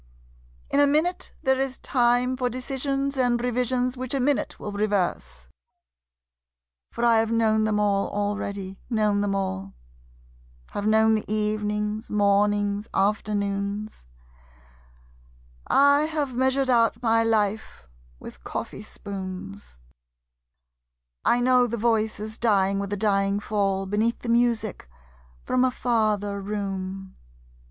In a minute there is time For decisions and revisions which a minute will reverse. For I have known them all already, known them all: Have known the evenings, mornings, afternoons, I have measured out my life with coffee spoons; I know the voices dying with a dying fall Beneath the music from a farther room.